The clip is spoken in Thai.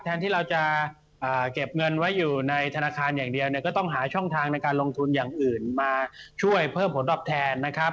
ที่เราจะเก็บเงินไว้อยู่ในธนาคารอย่างเดียวเนี่ยก็ต้องหาช่องทางในการลงทุนอย่างอื่นมาช่วยเพิ่มผลตอบแทนนะครับ